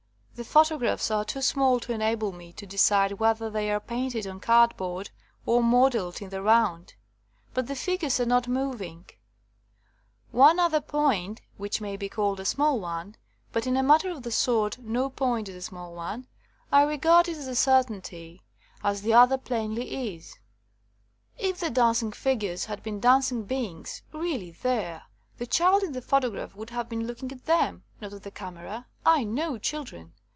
The photographs are too small to enable me to decide whether they are painted on cardboard or modelled in the round ; hut the figures are not moving. 87 THE COMING OF THE FAIRIES *'One other point, which may be called a small one — but in a matter of the sort no point is a small one. I regard it as a cer tainty, as the other plainly is. If the dancing figures had been dancing beings, really there, the child in the photograph would have been looking at them, not at the camera. I know children.